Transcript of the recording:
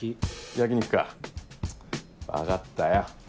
焼き肉か分かったよ。